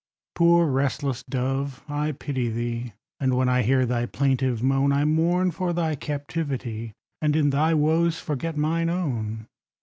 Poor restless dove, I pity thee; And when I hear thy plaintive moan, I mourn for thy captivity, And in thy woes forget mine own.